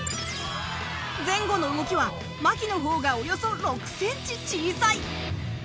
前後の動きは牧のほうがおよそ６ｃｍ小さい。